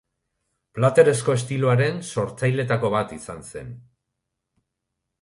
Plateresko estiloaren sortzaileetako bat izan zen.